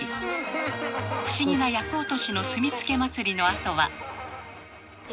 不思議な厄落としの炭つけ祭りのあとは。